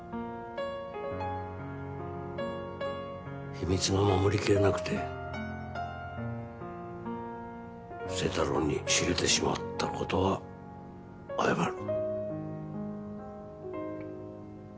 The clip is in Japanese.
秘密を守りきれなくて星太郎に知れてしまった事は謝る。